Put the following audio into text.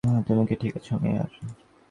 তুমি কি ঠিক আছো মেয়ার?